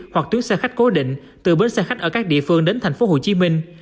hoặc tuyến xe khách cố định từ bến xe khách ở các địa phương đến thành phố hồ chí minh